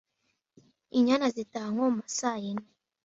inyana zitaha (nko mu masaa yine)